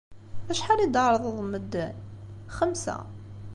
Acḥal i d-tɛerḍeḍ n medden? Xemsa.